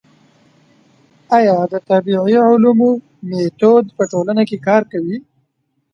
ايا د طبيعي علومو ميتود په ټولنه کي کار کوي؟